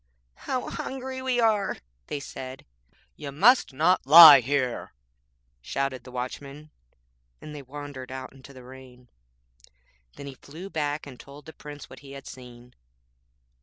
'How hungry we are' they said. 'You must not lie here,' shouted the Watchman, and they wandered out into the rain. Then he flew back and told the Prince what he had seen.